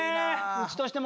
うちとしても。